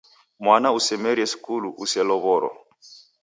Mwana usemerie skulu uselow'oro.